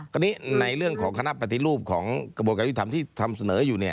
ตอนนี้ในเรื่องของคณะปฏิรูปของกระบวนการยุทธรรมที่ทำเสนออยู่